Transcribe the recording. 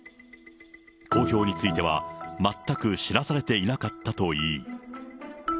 公表については全く知らされていなかったといい。